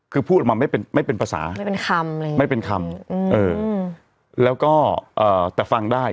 คือพูดออกมาไม่เป็นภาษาไม่เป็นคำแล้วก็แต่ฟังได้